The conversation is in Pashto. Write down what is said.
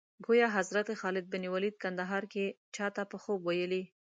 ګویا حضرت خالد بن ولید کندهار کې چا ته په خوب ویلي.